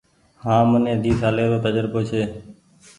هآن مني ۮي سالي رو تجربو ڇي۔